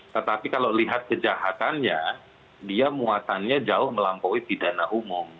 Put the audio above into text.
tetapi kalau lihat kejahatannya dia muatannya jauh melampaui pidana umum